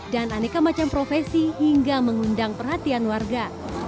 dan aneka macam profesi hingga mengundang perhatian warga